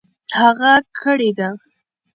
هغه کړېدی .